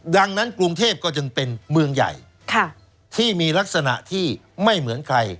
ดังนั้นกรุงเทพก็จึงเป็นเมืองใหญ่ที่มีลักษณะที่ไม่เหมือนใคร